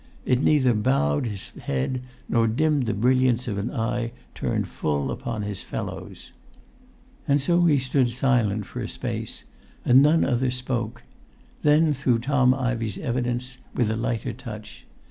It neither bowed his head nor dimmed the brilliance of an eye turned full upon his fellows. And so he stood silent for a space, and none other spoke; then through Tom Ivey's evidence with a lighter touch.